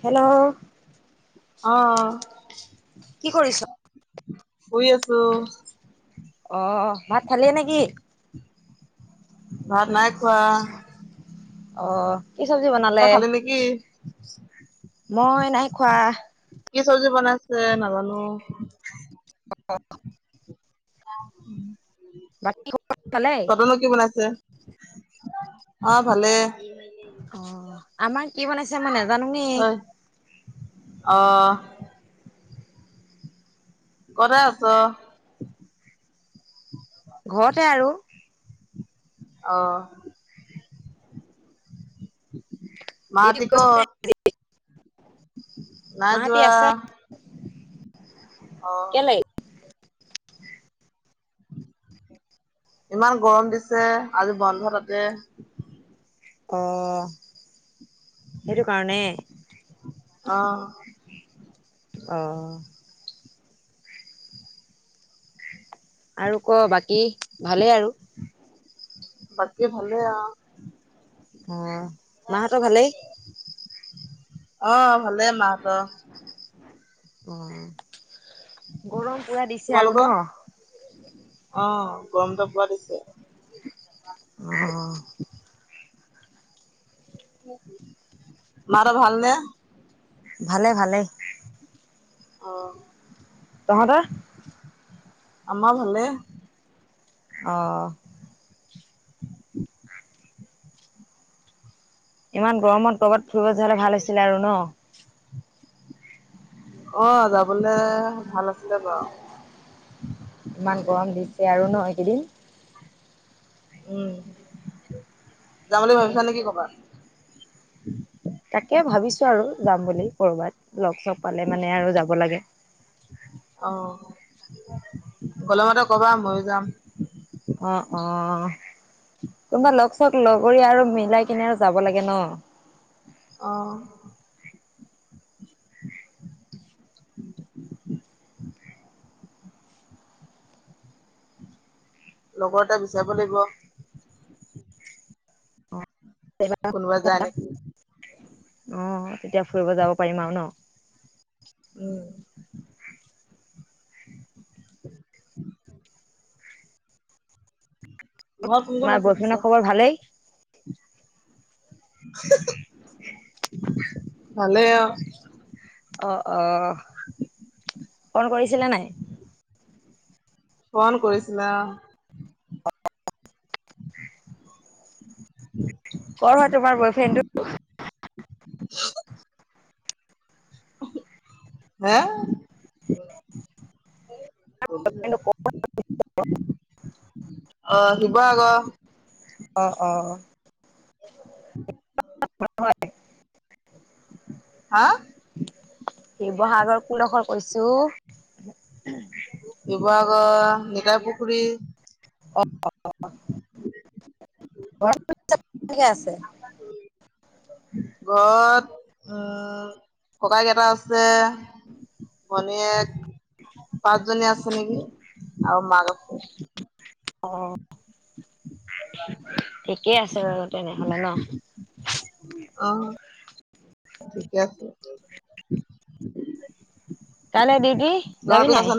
Hello অ', কি কৰিছ শই আছো অ ভাত খালিয়ে নেকি ভাত নাই কোৱা অ কি চব্জি বনালে উম মই নাই খোৱা কি চব্জি বনাইছে নাজানো [inaudible] বাকী খবৰ ভালেই? কটনো কি বনাইছে অ ভালে অ আমাৰ কি বনাইছে মই নাজানো নে ঐ অ', কৰে আছ ঘৰতে আৰু আহ ডিউটি মাহতি কত গৈছিলে নাই মাহঁতি যোৱা আছে আহ কেলে? ইমান গৰম দিছে আজি বন্ধ তাতে অ সেইটো কাৰণে আহ আহঁ আৰু ক বাকী ভালেই আৰু বাকী ভালে আহ অ মাহতৰ ভালেই অ ভালেই মাহ ত অ গৰম পুৰা দিছে আৰু তোমালোকৰ? ন গমন্ত পোৱা দিছে আহ মাৰ ভাল নে ভালে ভালে আহ তহত আমাৰ ভালে আহঁ ইমান গৰমত কৰ'বাত ফুৰিব য হলে ভাল হৈছিলে আৰু ন অ যাবলে ভাল আছিলে বাৰু ইমান গৰম দিছে আৰু ন এইকেইদিন উম যাম বুলি ভাবিছা নেকি কবাত তাকে ভাবিছো আৰু যাম বুলি কৰ'বাত লগ চ পালে মানে আৰু যাব লাগে গলমতে, কবা ময়ো যাম। অ', অ', কোনোবা লগত লগৰ আৰু মিলাই, কিনে আৰু যাব লাগে ন। অ', লগৰ এটা বিচাৰিব লাগিব। [unintelligible] কোনোবা যায় অ', নেকি তেতিয়া ফুৰিব যাব পাৰিম আৰু ন। উম', ঘৰত কোন কোন তোমাৰ আছে পিছে বয়ফৰনদৰ খবৰ ভালেই। ভালে আৰু অ', আহ, ফোন কৰিছিলে নাই। ফোন কৰিছিলা। কৰ হয়, তোমাৰ বয় ফ্ৰেণ্ডটো। [unintelligible] হা, অ', শিৱাগৰ। অ', অ', অ, [unintelligible] [unintelligible] হা, শিৱসাগৰ কোনডোখৰ কৈছো। শিবসাগৰ নটা‌ পুখুৰী। অ', অ', [unintelligible] আছে ঘৰত উম', ককাইক‌ এটা‌ আছে। ভনীয়েক। পাঁচজনী আছে নেকি আৰু মাক আছে। অ', অ ঠিকেই আছে বাৰু তেনে হ'লে ন। অ', ঠিকে আছে। কাইলৈ দিওটি, যাবি ল'ৰাটো নে নাই। আছে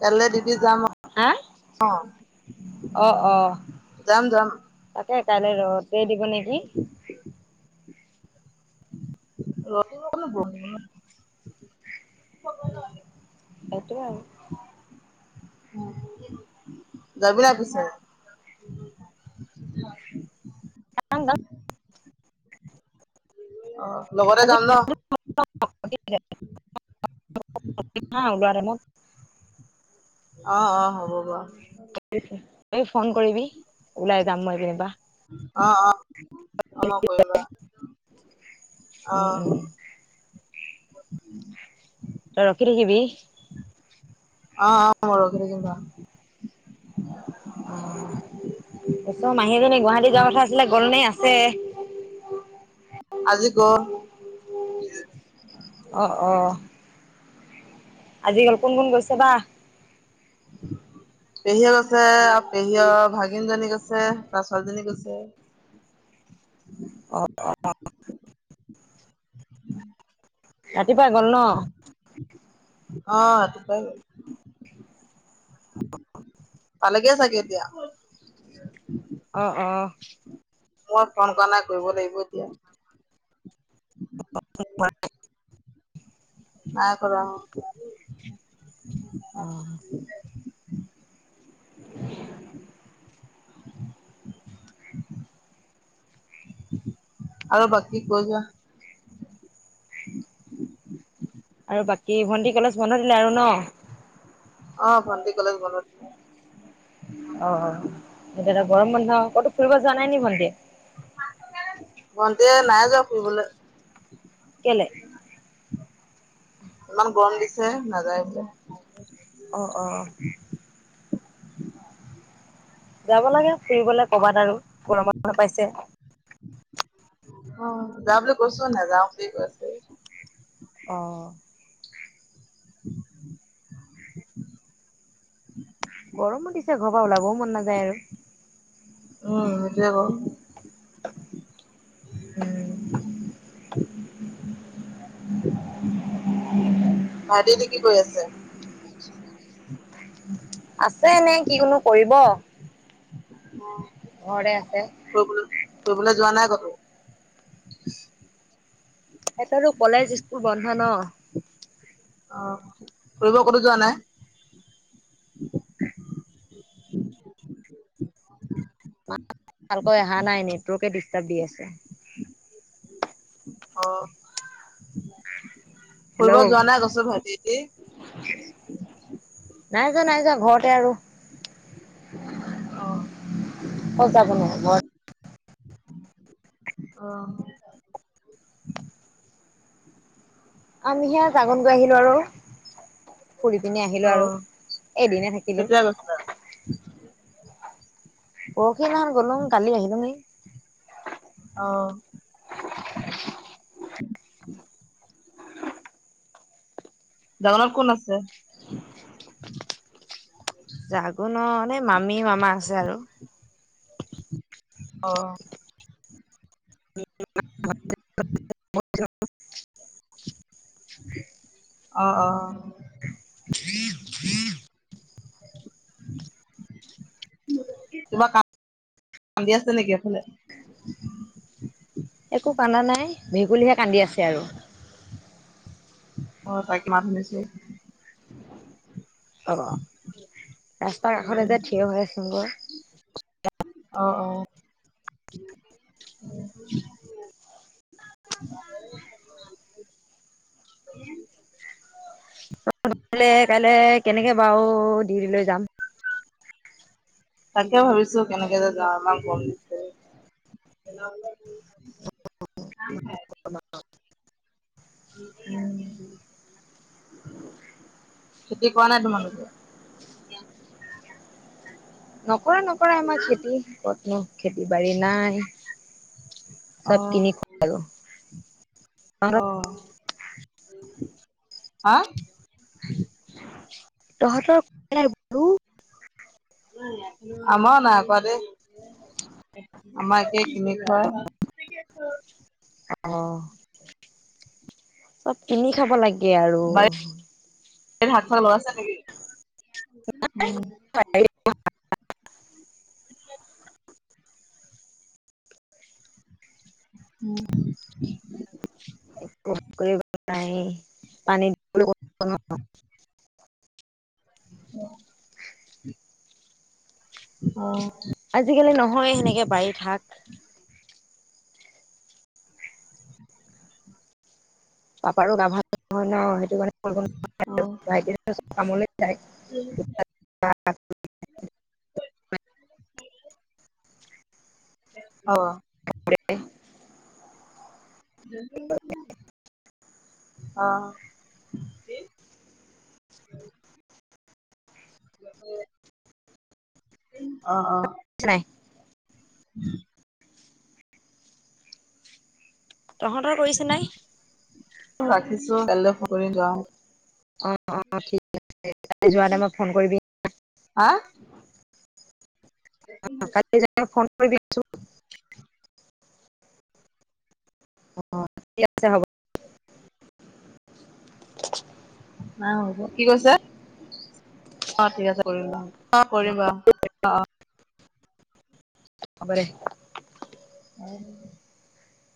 [unintelligible] যাম হা অ', অ যাম যাম। এ, কাইলৈ ৰ'দে দিব নেকি। [unintelligible] সেইটোৱেই বাৰু। যাবি নে নাই পিছে। যাম যাম অ', লগতে আজি যাম ন। [unintelligible] অ', অ, হ'ব বাৰু। ত, ফোন কৰিবি ওলাই যাম মই যেনিবা। অ', অ, অ', মই উম কৰিম উম ৰস, অ', [unintelligible] তই ৰখ থে কিিবি অ অ ম ৰ কক অ চ মাহী এজনী গুৱাহাটী যাব কথা আছিলে গলনে আছে আজি ক অঁ অঁ আজিিকাল কোন কোন গৈছে বা পেহীয়ে গৈছে আৰু পেহীয়ে ভাগিন জনী গৈছে তাৰছালীজনী গৈছে অ অ ৰাতিপুৱা গল ন আহ পাই পালগে চাগে এতিয়া আহ অ মই ফোন কৰা নাই কৰিব লাগিব এতিয়া [inaudible] ন কৰা আহ [inaudible] উ আৰু বাকী কৈছ আৰু বাকী ভন্টি কলেজ বন্ধ দিলে আৰু ন অ ভণ্টি কলেজ বনে অ এতিয়া এাদা গৰম বন্ধ কতো ফুৰিব যোৱা নাই নি ভণ্টিয় ভন্তে নাই যাও ফুৰিবলৈ কেলে ইমান গৰম দিছে নাযায় বোলে অ অ যাব লাগে ফুৰিবলৈ ক'ৰবাত আৰু গৰমান পাইছে অ যা বুলি কৈছো নাইযাও বুলি কৈ আছে অ [inaudible] ঘ মন দিছে ঘৰ পৰা ওলাবও মন নাযায় আৰু উম এ উম ভাইটি নে কিি কৈ আছে আছে নে কি কোনো কৰিব ঘৰতে আছে। অ ফলৈ ফুৰিবলৈ যোৱা নাই কতো [unintelligible] এটো কলেজ স্কুল বন্ধ ন আহ ফব কতো যোৱা নাই [inaudible] ভালকৈ অহা নাই নেটৱৰ্কে ডিষ্টাৰ্ব দি আছে অ ফুৰিব হেল্ল'। যোৱা নাই গছৰ ভতিতি নাই যাোৱা নাই যাোৱা ঘৰতে আৰু অ অ যাব নোৱাৰো অ আমি সে জাগন গৈ আহিলো আৰু ফুৰি পিনি আহিলো অ আৰু এদিনে থাকিলো উ পৰহিনাত গলোম কালি আহিলোমি অ জামানাৰ কোন আছে জাগো ন এে মামি মামা আছে আৰু আহ অ [inaudible] কিবা কান্ কান্দি আছে নেকি এফালে একো কান্দা নাই ভেকুলীহে কান্দি আছে আৰু আহ তাই কি মমান শুনিছো অ ৰাস্তা কাষত এ যে থিয় হৈ আছোন গৈ অ অ উ কাইলে কেনেকে বাৰু ডৰি লৈ যাম তাকে ভাবিছো কেনেকে যে যাওঁ আমাক গম দিছে অ উম [inaudible] খেতি কৰাোৱা নাই তোমালোকে নকৰা নকৰা আমাৰ খেতি কতনো খেতি বাাৰী নাই চব অ', কিনি খাল অ', হা তহঁতৰ বু আমাৰ নাই কোৱা দে। আমাৰ একেই কিনি খয়। অ',। চব কিনি খাব লাগে আৰু। বাৰীত [unintelligible] হয়। উ। ন পানী। অ',। অ',। আজিকালি নহয় সেনেকে বাৰিত শাক। পাপাৰো গাভাল অ', নহয় [unintelligible] [unintelligible] অ',। [unintelligible] উ। আহ। উ। অ', অ',। নাই। উম'। তহঁতৰ কৰিছে নাই ৰাখিছো কাইলৈ সকলোৱ যাওঁ। অ', অ', ঠিক আছে যোৱাতে মই ফোন কৰিবি। হা কালি য ফোন কৰি আছো। অ', ঠিক আছে হ'ব। ন কি কৈছে অ', ঠিক আছে কৰিব। অ', কৰিমিবা অ',। [unintelligible] হয়।